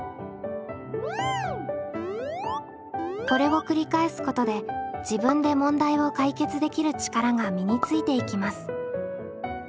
これを繰り返すことで自分で問題を解決できる力が身についていきます。